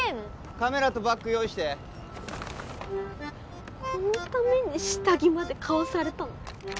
カメラとバッグ用意してこのために下着まで買わされたの？